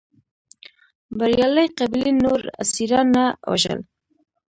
بریالۍ قبیلې نور اسیران نه وژل.